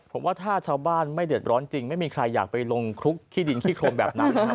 ผมว่าถ้าชาวบ้านไม่เดือดร้อนจริงไม่มีใครอยากไปลงคลุกขี้ดินขี้โครมแบบนั้นนะฮะ